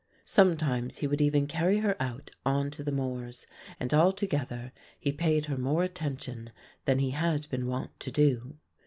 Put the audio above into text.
Sometimes he would even carry her out on to the moors, and altogether he paid her more attention than he had been wont to do.